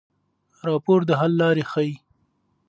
راپور د حل لارې ښيي.